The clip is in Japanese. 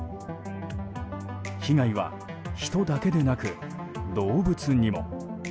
被害は人だけでなく動物にも。